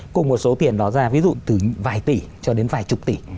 cùng một số tiền đó ra ví dụ từ vài tỷ cho đến vài chục tỷ